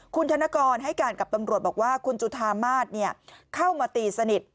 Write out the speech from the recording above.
คุณธนกรให้การกับตำรวจบอกว่าคุณจุธามาศเข้ามาตีสนิท